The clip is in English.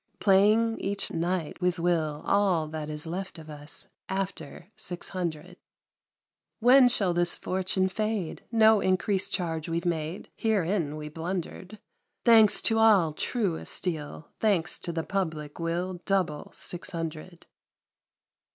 Playing each flight with will. All that is left of us After Six Hundred ! When shall this fortune fade? No increased charge we've made (Herein we blundered !) Thanks to all, true as steel 1 Thanks to the Public, we'll Double Six Hundred.